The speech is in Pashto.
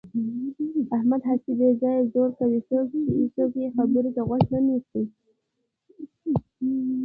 احمد هسې بې ځایه زور کوي. څوک یې خبرې ته غوږ نه نیسي.